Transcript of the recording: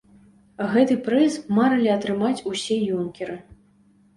Гэты прыз марылі атрымаць усе юнкеры.